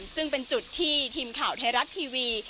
ซึ่งเป็นจุดที่ทีมข่าวไทยรัฐทีวี